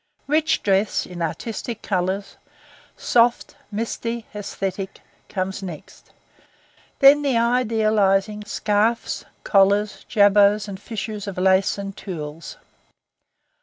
Rich dress, in artistic colors, soft, misty, esthetic, comes next; then the idealizing scarfs, collars, jabots, and fichus of lace and tulles.